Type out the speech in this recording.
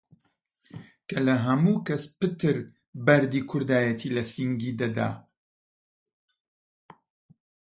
کە لە هەموو کەس پتر بەردی کوردایەتی لە سینگی دەدا!